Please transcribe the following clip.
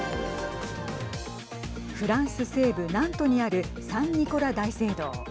フランス西部ナントにあるサン・ニコラ大聖堂。